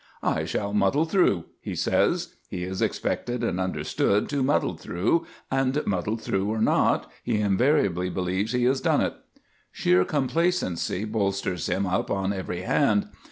"I shall muddle through," he says. He is expected and understood to muddle through; and, muddle through or not, he invariably believes he has done it. Sheer complacency bolsters him up on every hand.